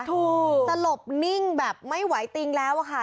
สลบนิ่งแบบไม่ไหวติงแล้วอะค่ะ